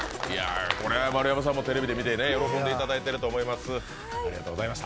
これは丸山さんもテレビで見て喜んでいただいてると思います。